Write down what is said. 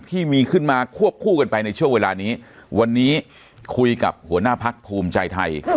ที่มีขึ้นมาควบคู่กันไปในช่วงเวลานี้วันนี้คุยกับหัวหน้าพักภูมิใจไทย